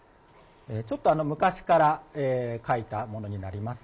ちょっと昔から書いたものになります。